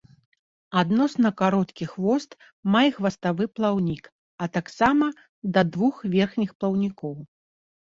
Адносна кароткі хвост мае хваставы плаўнік, а таксама да двух верхніх плаўнікоў.